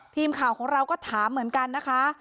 ทีมข่าวของเราก็ถามเหมือนกันนะคะ